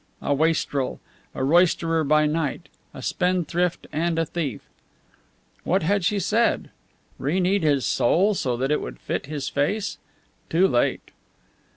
A wastrel, a roisterer by night, a spendthrift, and a thief! What had she said? reknead his soul so that it would fit his face? Too late!